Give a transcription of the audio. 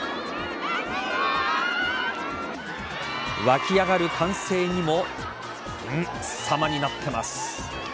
湧き上がる歓声にも様になっています。